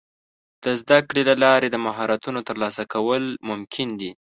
د زده کړې له لارې د مهارتونو ترلاسه کول ممکن دي.